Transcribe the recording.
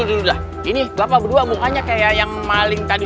ini kenapa berdua mukanya kayak yang maling tadi